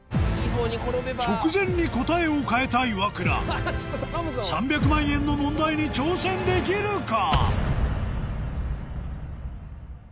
直前に答えを変えたイワクラ３００万円の問題に挑戦できるか？